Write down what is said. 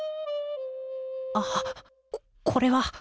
あっここれは。